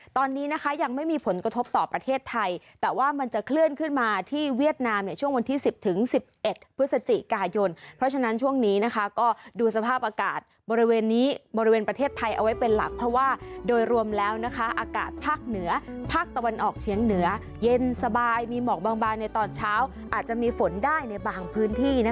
ตอนนี้ยังไม่มีผลกระทบต่อประเทศไทยแต่ว่ามันจะเคลื่อนขึ้นมาที่เวียดนามช่วงวันที่๑๐๑๑พฤศจิกายนเพราะฉะนั้นช่วงนี้ก็ดูสภาพอากาศบริเวณนี้บริเวณประเทศไทยเอาไว้เป็นหลักเพราะว่าโดยรวมแล้วนะคะอากาศภาคเหนือภาคตะวันออกเชียงเหนือเย็นสบายมีหมอกบางบานในตอนเช้าอาจจะมีฝนได้ในบางพื้นที่